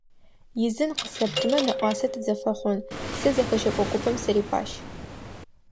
Изын къысэптымэ нэӏуасэ тызэфэхъун, сэ зэхэщэкӏо купым сырипащ.